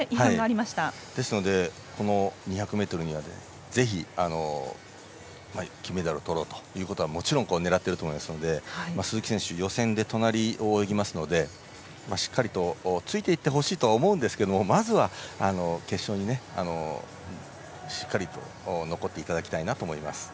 ですのでこの２００ｍにはぜひ金メダルをとろうともちろん狙ってると思いますので鈴木選手予選で隣を泳ぎますのでしっかりついていってほしいとは思うんですけどまずは決勝にしっかりと残っていただきたいなと思います。